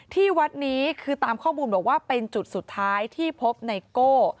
ที่วัดนี้คือตามข้อมูลบอกว่าเป็นจุดสุดท้ายที่พบไนโก้